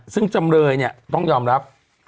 ซึ่งจำเลยเนี่ยต้องยอมรับ